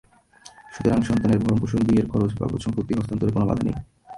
সুতরাং, সন্তানের ভরণপোষণ বিয়ের খরচ বাবদ সম্পত্তি হস্তান্তরে কোনো বাধা নেই।